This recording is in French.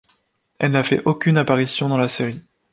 Elle n'a fait aucune apparition dans la série.